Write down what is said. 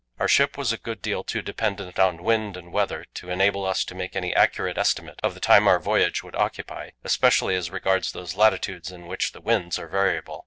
Our ship was a good deal too dependent on wind and weather to enable us to make any accurate estimate of the time our voyage would occupy, especially as regards those latitudes in which the winds are variable.